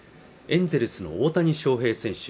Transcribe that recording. エンゼルスの大谷翔平選手